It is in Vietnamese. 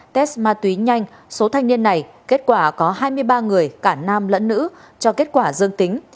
test ma túy nhanh số thanh niên này kết quả có hai mươi ba người cả nam lẫn nữ cho kết quả dương tính